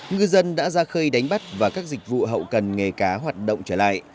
ngư dân đã ra khơi đánh bắt và các dịch vụ hậu cần nghề cá hoạt động trở lại